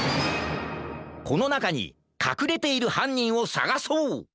このなかにかくれているはんにんをさがそう！